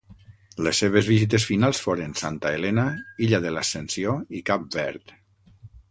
Les seves visites finals foren Santa Helena, Illa de l'Ascensió i Cap Verd.